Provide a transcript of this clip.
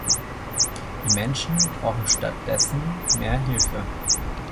Die Menschen brauchen statt dessen mehr Hilfe.